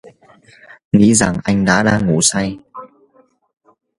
Nghĩ rằng anh đã đang ngủ say